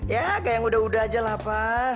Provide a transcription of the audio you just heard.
ya kayak yang udah udah aja lah pa